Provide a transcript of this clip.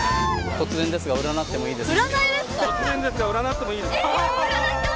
突然ですが占ってもいいですか？